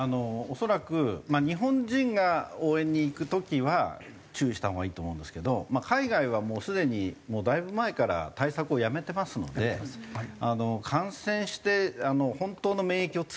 恐らく日本人が応援に行く時は注意した方がいいと思うんですけど海外はもうすでにだいぶ前から対策をやめてますので感染して本当の免疫をつけている人が多いんですね。